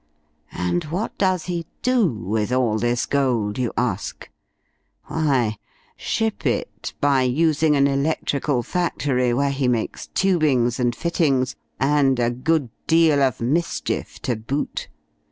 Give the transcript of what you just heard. "And what does he do with all this gold, you ask? Why, ship it, by using an electrical factory where he makes tubings and fittings and a good deal of mischief, to boot.